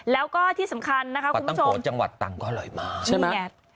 แล้วก็ที่สำคัญครับคุณผู้ชมภาคว่าใช่ไหม